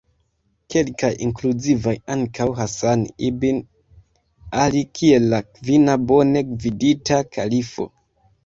Kelkaj inkluzivas ankaŭ Hasan ibn Ali kiel la kvina bone gvidita kalifo.